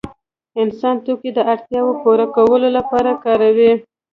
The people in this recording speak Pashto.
انسان توکي د اړتیاوو پوره کولو لپاره کاروي.